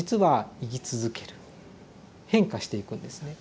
変化していくんですね。